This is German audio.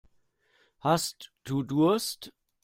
Hast du Durst?